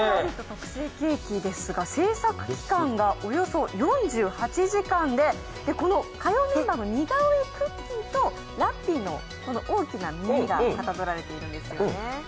特製ケーキですが製作期間がおよそ４８時間でこの火曜メンバーの似顔絵クッキーとラッピーの大きな耳がかたどられているんですよね。